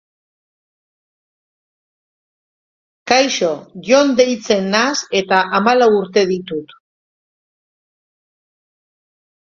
kaixo, Jon deitzen naiz eta hamalau urte ditut.